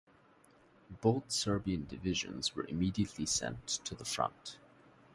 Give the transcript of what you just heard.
Both Serbian divisions were immediately sent to the front.